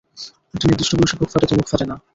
একটা নির্দিষ্ট বয়সে, বুক ফাটে তো মুখ ফুটে না।